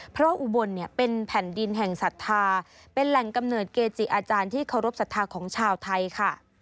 เพราะอุบลเนี่ยเป็นแผ่นดินแห่งศรัทธาเป็นแหล่งกำเนิดเกจิอาจารย์ที่เคารพสัทธาของชาวไทยค่ะ